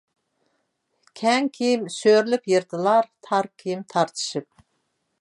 كەڭ كىيىم سۆرىلىپ يىرتىلار، تار كىيىم تارتىشىپ.